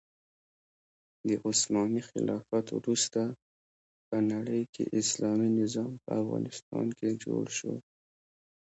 د عثماني خلافت وروسته په نړۍکې اسلامي نظام په افغانستان کې جوړ شو.